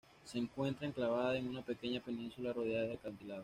Se encuentra enclavada en una pequeña península rodeada de acantilados.